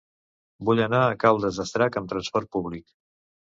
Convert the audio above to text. Vull anar a Caldes d'Estrac amb trasport públic.